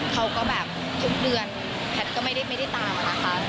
เขาก็แบบทุกเดือนแพทย์ก็ไม่ได้ตามอะนะคะ